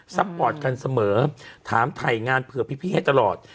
พอร์ตกันเสมอถามถ่ายงานเผื่อพี่ให้ตลอด